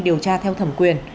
điều tra theo thẩm quyền